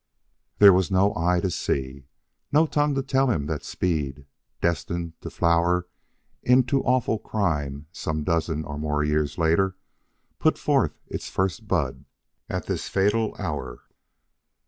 There was no eye to see, and no tongue to tell him that the seed, destined to flower into awful crime some dozen or more years later, put forth its first bud at this fatal hour.